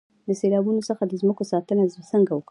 د سیلابونو څخه د ځمکو ساتنه څنګه وکړم؟